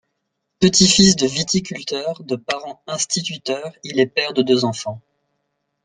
Petit-fils de viticulteurs, de parents instituteurs, il est père de deux enfants.